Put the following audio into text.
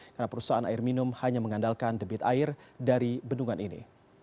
karena perusahaan air minum hanya mengandalkan debit air dari bendungan ini